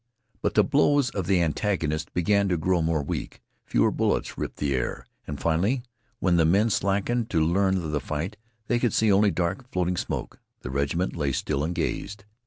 But the blows of the antagonist began to grow more weak. Fewer bullets ripped the air, and finally, when the men slackened to learn of the fight, they could see only dark, floating smoke. The regiment lay still and gazed.